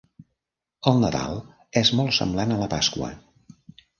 El Nadal és molt semblant a la Pasqua.